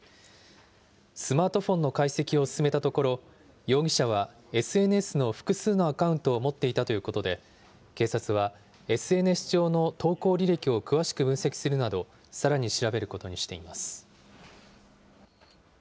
スマートフォンの解析を進めたところ、容疑者はＳＮＳの複数のアカウントを持っていたということで、警察は、ＳＮＳ上の投稿履歴を詳しく分析するなど、さらに調べることにしています。